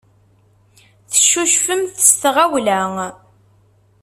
Teccucfemt s tɣawla.